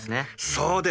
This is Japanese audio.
そうです。